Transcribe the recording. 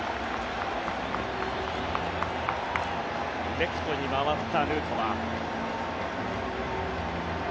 レフトに回ったヌートバー。